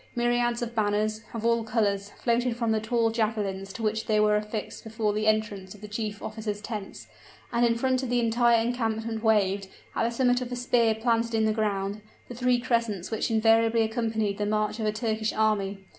Myriads of banners, of all colors, floated from the tall javelins to which they were affixed before the entrance of the chief officers' tents, and in front of the entire encampment waved, at the summit of a spear planted in the ground, the three crescents, which invariably accompany the march of a Turkish army.